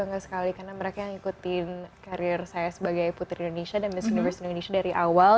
bangga sekali karena mereka yang ikutin karir saya sebagai putri indonesia dan miss universe indonesia dari awal